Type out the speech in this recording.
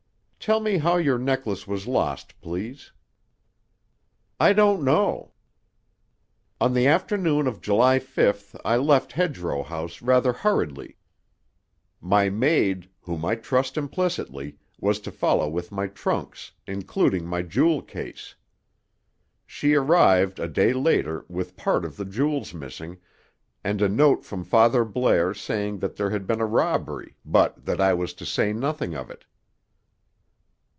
Tell me how your necklace was lost, please." "I don't know. On the afternoon of July fifth I left Hedgerow House rather hurriedly. My maid, whom I trust implicitly, was to follow with my trunks, including my jewel case. She arrived, a day later, with part of the jewels missing, and a note from Father Blair saying that there had been a robbery, but that I was to say nothing of it."